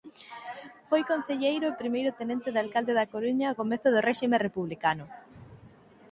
Foi concelleiro e primeiro tenente de alcalde da Coruña ao comezo do réxime republicano.